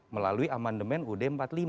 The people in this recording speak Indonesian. melalui amandemen ud empat puluh lima